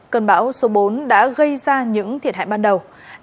cơn bão số bốn đã gây ra những thiệt hại ban đầu